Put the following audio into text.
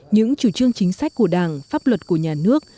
những chủ trương chính sách của đảng pháp luật của nhà nước